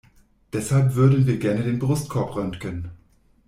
Deshalb würden wir gerne den Brustkorb röntgen.